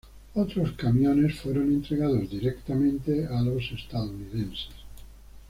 Otros camiones fueron entregados directamente a los estadounidenses.